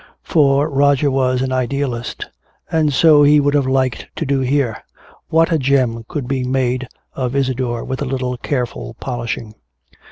For Roger was an idealist. And so he would have liked to do here. What a gem could be made of Isadore with a little careful polishing.